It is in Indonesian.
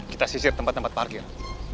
kita sisir tempat tempat parkir